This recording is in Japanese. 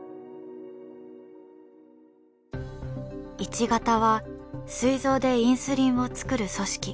１型は膵臓でインスリンを作る組織